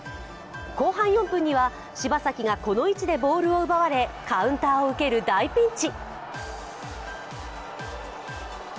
後半４分には柴崎がこの位置でボールを奪われカウンターを受ける大ピンチ。